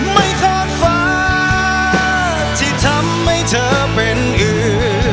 ไม่คาดฝันที่ทำให้เธอเป็นอือ